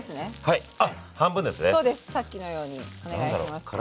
さっきのようにお願いしますからね。